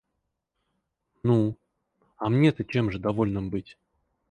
Ну, а мне-то чем же довольным быть?